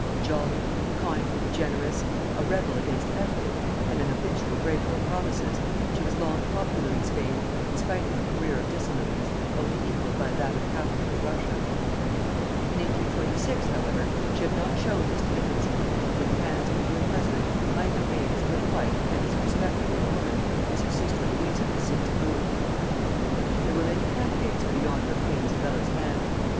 Jolly, kindly, generous, a rebel against etiquette, and an habitual breaker of promises, she was long popular in Spain, in spite of a career of dissoluteness only equalled by that of Catherine of Russia. In 1846, however, she had not shown this tendency, and in the hands of a good husband might have made as good a wife and as respectable a woman as her sister Luisa has since proved. There were many candidates for the honor of Queen Isabella's hand.